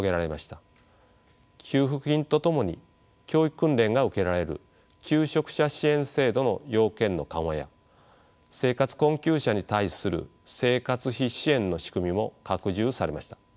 給付金と共に教育訓練が受けられる求職者支援制度の要件の緩和や生活困窮者に対する生活費支援の仕組みも拡充されました。